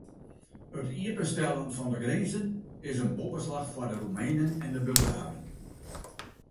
It iepenstellen fan de grinzen is in boppeslach foar de Roemenen en Bulgaren.